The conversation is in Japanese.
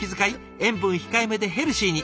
塩分控えめでヘルシーに。